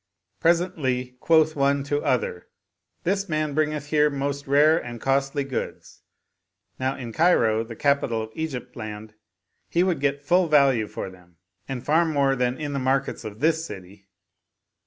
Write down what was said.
Presently quoth one to other, " This man bringeth here most rare and costly goods: now in Cairo, the capital of Egypt land, would he get full value for them, and far more than in the markets of this city."